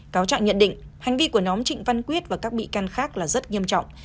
cáo trạng nhận định hành vi của nhóm trịnh văn quyết và các bị can khác là rất nghiêm trọng